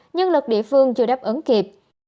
nhân lực địa phương chưa đáp ứng kịp